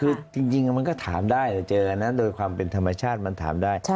คือจริงมันก็ถามได้แต่เจอนะโดยความเป็นธรรมชาติมันถามได้